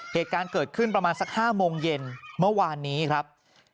เหตุการณ์เกิดขึ้นประมาณสัก๕โมงเย็นเมื่อวานนี้ครับ